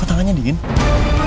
udah lama gue gak ketemu